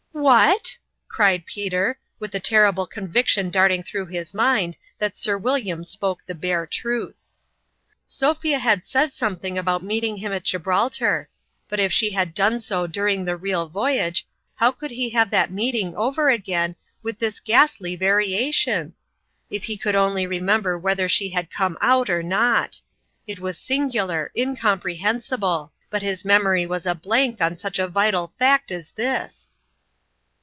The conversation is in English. " What !" cried Peter, with the terrible con viction darting through his mind that Sir Will iam spoke the bare truth. Sophia had said something about meeting 156 ^Tourmalin's &ime Cheques. him at Gibraltar ; but if she had done so dur ing the real voyage, how could he have the meeting all over again, with this ghastly vari ation? If he could only remember whether she had come out, or not ! It was singular, incomprehensible ! But his memory was a blank on such a vital fact as this